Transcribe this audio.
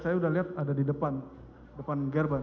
saya sudah lihat ada di depan depan gerbang